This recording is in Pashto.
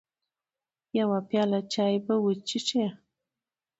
يوه پياله چاى به وچکې .